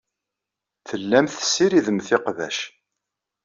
Tellamt tessiridemt iqbac.